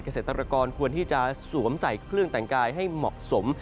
เกษตรกรควรที่จะสวมใส่เครื่องแต่งกายให้เหมาะสม